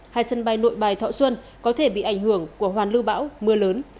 hai sân bay nội bài thọ xuân có thể bị ảnh hưởng của hoàn lưu bão mưa lớn